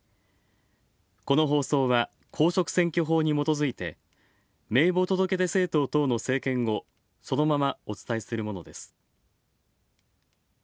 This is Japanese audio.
この放送は公職選挙法にもとづいて名簿届出政党等の政見をそのままお伝えするものです。